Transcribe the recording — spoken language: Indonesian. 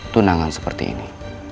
tunangan seperti ini